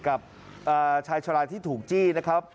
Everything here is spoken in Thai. กับชายชะลาที่ถูกจี้นะครับ